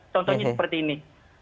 contohnya seperti ini